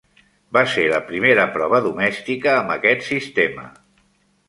Va ser la primera prova domèstica amb aquest sistema.